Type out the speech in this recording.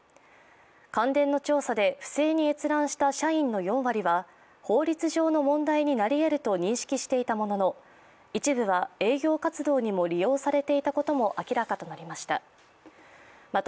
関電の調査で不正に閲覧した社員の４割は法律上の問題になりえると認識していたものの一部は営業活動にも利用されていたことも明らかとなりました。